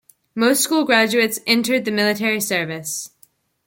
Most school graduates entered the military service.